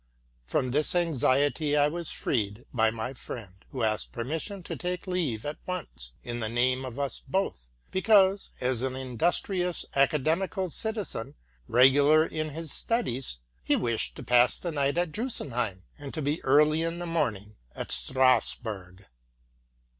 From this anxiety I was freed by my friend, who asked permission to take leave at once, in the name of us both, because, as an industrious academical citizen, regular in his studies, he wished to pass the night at Drusenheim, and to be early in the morning at Strasburg.